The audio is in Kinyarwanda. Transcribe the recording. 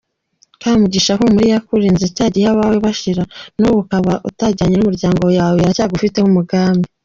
Kamugisha humura iyakurinze cyagihe abawe bashiraga nubu ukaba utajyanye n’umuryango wawe iracyagufiteho umugambi.